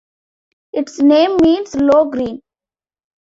Its name means low green.